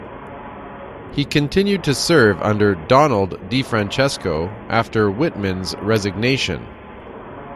He continued to serve under Donald DiFrancesco after Whitman's resignation.